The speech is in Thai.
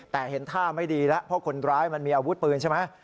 แต่เห็นท่าไม่ดีแล้วเพราะคนร้ายมันมีอาวุธปืนใช่ไหม